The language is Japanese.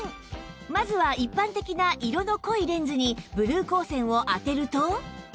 まずは一般的な色の濃いレンズにブルー光線を当てると